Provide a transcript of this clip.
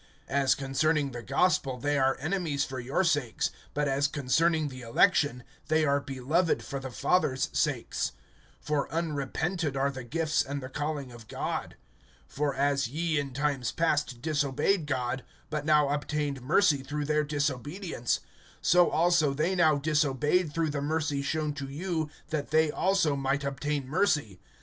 (28)As concerning the gospel, they are enemies for your sakes; but as concerning the election, they are beloved for the fathers' sakes. (29)For unrepented are the gifts and the calling of God. (30)For as ye in times past disobeyed God, but now obtained mercy through their disobedience; (31)so also they now disobeyed through the mercy shown to you, that they also might obtain mercy.